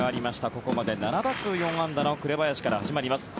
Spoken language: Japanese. ここまで７打数４安打の紅林から始まります。